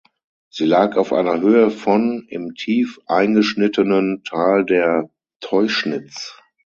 Sie lag auf einer Höhe von im tief eingeschnittenen Tal der Teuschnitz.